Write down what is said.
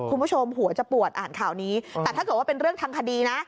คุณผู้ชมหัวจะปวดอ่านข่าวนี้แต่ถ้าเกิดว่าเป็นเรื่องทางคดีนะ